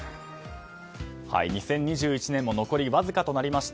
２０２１年も残りわずかとなりました。